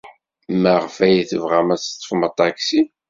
Maɣef ay tebɣam ad teḍḍfem aṭaksi?